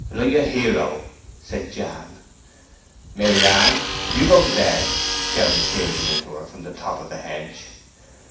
"Like a hero!" said Jan. "Maryann, you go to bed," Gabriel shouted to her from the top of the hedge.